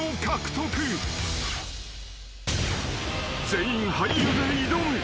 ［全員俳優で挑む］